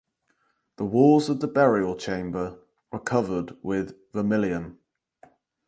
The walls of the burial chamber were covered with vermilion.